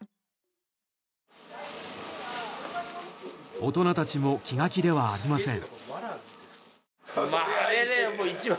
大人たちも気が気ではありません。